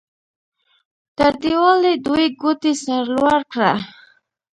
تر دیوالۍ دوې ګوتې سر لوړ کړه.